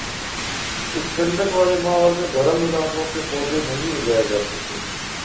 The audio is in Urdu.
اس ٹھنڈک والے ماحول میں گرم علاقوں کے پودے نہیں اگائے جاسکتے